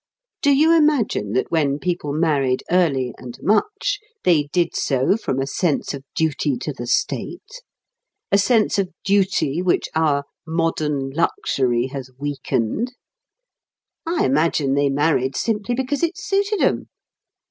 Do you imagine that when people married early and much they did so from a sense of duty to the state a sense of duty which our "modern luxury" has weakened? I imagine they married simply because it suited 'em.